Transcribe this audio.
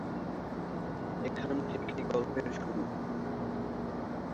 এখান থেকেই গল্পের শুরু।